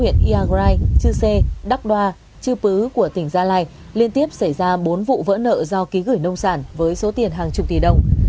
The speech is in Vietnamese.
trước bứ của tỉnh gia lai liên tiếp xảy ra bốn vụ vỡ nợ do ký gửi nông sản với số tiền hàng chục tỷ đồng